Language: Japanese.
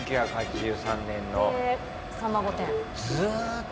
１９８３年より。